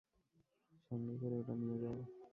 সঙ্গে করে ওটা নিয়ে যাও।